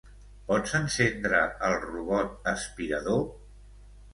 Pots encendre el robot aspirador?